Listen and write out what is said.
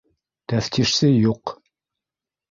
Тәфтишсе юҡ.